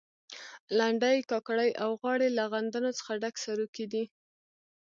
لنډۍ، کاکړۍ او غاړې له غندنو څخه ډک سروکي دي.